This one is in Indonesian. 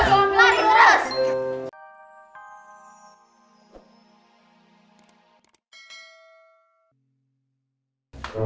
coba di gerakan